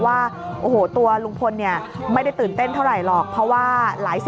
ว่าโอ้โหตัวลุงพลเนี่ยไม่ได้ตื่นเต้นเท่าไหร่หรอกเพราะว่าหลายสิบ